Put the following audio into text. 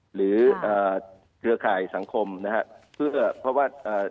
หรือเครือข่ายสังคมนะครับเพราะว่า